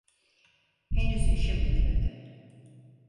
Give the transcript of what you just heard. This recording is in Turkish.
Henüz işim bitmedi.